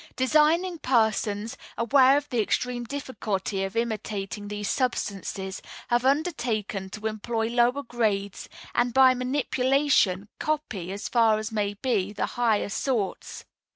Designing persons, aware of the extreme difficulty of imitating these substances, have undertaken to employ lower grades, and, by manipulation, copy, as far as may be, the higher sorts.